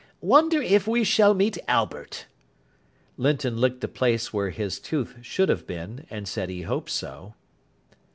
"Wonder if we shall meet Albert." Linton licked the place where his tooth should have been, and said he hoped so.